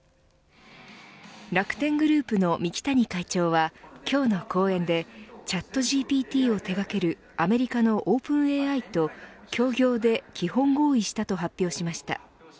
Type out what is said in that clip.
楽天グループの三木谷会長は今日の講演でチャットＧＰＴを手掛けるアメリカのオープンＡＩと協業で基本合意したと発表しました。